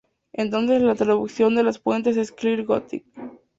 Entonces la traducción de la fuente es "Clear Gothic".